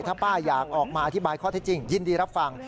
ถ้าป้าอยากออกมาอธิบายข้อเท็จจริงยินดีรับฟัง